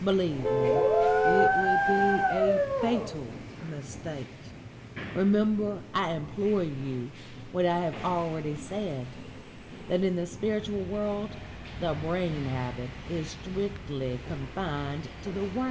Believe me, it would be a fatal mistake. Remember, I implore you, what I have already said: that, in the spiritual world, the brain habit is strictly confined to the working class."